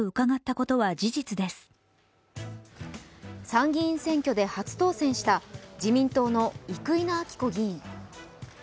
参議院選挙で初当選した自民党の生稲晃子議員。